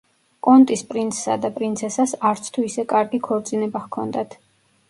კონტის პრინცსა და პრინცესას არც თუ ისე კარგი ქორწინება ჰქონდათ.